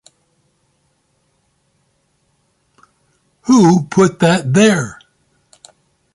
Who put that there?